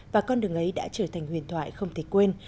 và con đường ấy đã trở thành huyền thoại không thể quên